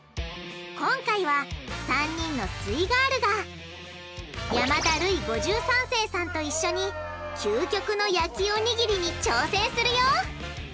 今回は３人のすイガールが山田ルイ５３世さんと一緒に究極の焼きおにぎりに挑戦するよ！